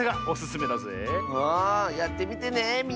あやってみてねみんな。